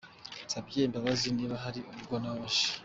Nsabye imbabazi niba hari uwo nababaje.